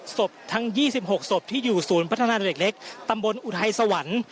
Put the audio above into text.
ศพทั้ง๒๖ศพที่อยู่ศูนย์พัฒนาเด็กเล็กตำบลอุทัยสวรรค์